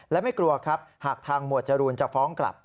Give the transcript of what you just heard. และไม่กลัวครับหากทางหมวดจรูนจะฟ้องกลับ